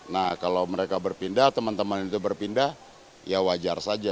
nah kalau mereka berpindah teman teman itu berpindah ya wajar saja